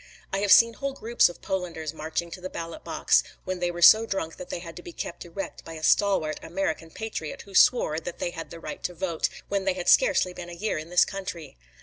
I have seen whole groups of Polanders marched to the ballot box, when they were so drunk that they had to be kept erect by a stalwart American patriot who swore that they had the right to vote, when they had scarcely been a year in this country.